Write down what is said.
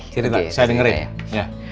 cerita saya dengerin